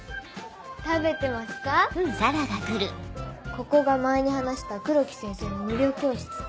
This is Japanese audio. ここが前に話した黒木先生の無料教室。